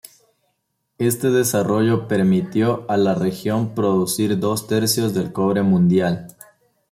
Este desarrollo permitió a la región producir dos tercios del cobre mundial.